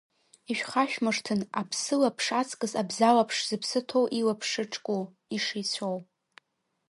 Ишәхашәмыршҭын, аԥсылаԥш аҵкыс абзалаԥш зыԥсы ҭоу илаԥш шыҿку, ишеицәоу.